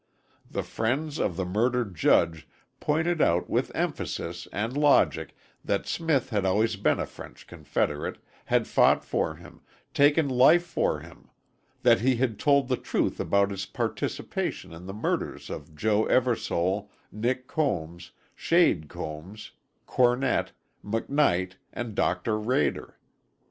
The friends of the murdered judge pointed out with emphasis and logic that Smith had always been a French confederate, had fought for him, taken life for him; that he had told the truth about his participation in the murders of Joe Eversole, Nick Combs, Shade Combs, Cornett, McKnight and Doctor Rader.